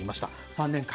３年間。